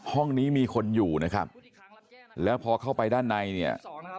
ห้องนี้มีคนอยู่นะครับแล้วพอเข้าไปด้านในเนี่ย